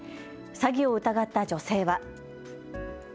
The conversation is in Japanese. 詐欺を疑った女性は。